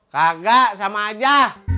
kagak sama aja